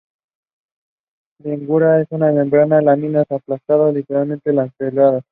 Lígula una membrana; láminas aplanadas, lineares a lanceoladas.